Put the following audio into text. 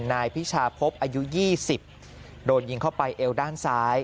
นายพิชาพบอายุ๒๐โดนยิงเข้าไปเอวด้านซ้าย